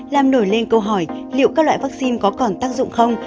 làm nổi lên câu hỏi liệu các loại vaccine có còn tác dụng không